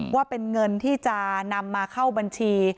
ว่าเป็นเงินที่จะนำมาเข้าบัญชี